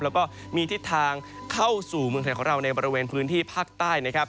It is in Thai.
แล้วก็มีทิศทางเข้าสู่เมืองไทยของเราในบริเวณพื้นที่ภาคใต้นะครับ